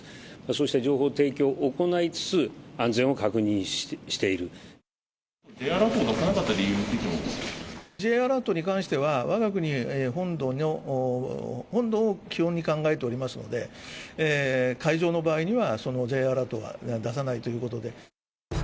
そうした情報提供を行いつつ、安Ｊアラートを出さなかった理Ｊアラートに関しては、わが国本土を基本に考えておりますので、海上の場合には、そのＪアラートは出さないということで。